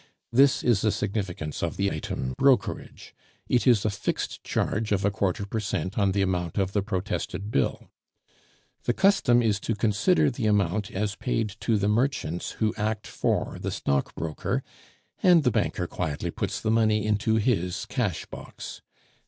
This is the significance of the item "brokerage"; it is a fixed charge of a quarter per cent on the amount of the protested bill. The custom is to consider the amount as paid to the merchants who act for the stock broker, and the banker quietly puts the money into his cash box.